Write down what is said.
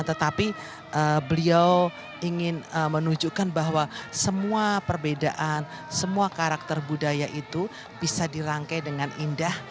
tetapi beliau ingin menunjukkan bahwa semua perbedaan semua karakter budaya itu bisa dirangkai dengan indah